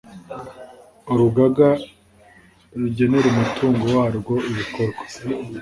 Urugaga rugenera umutungo warwo ibikorwa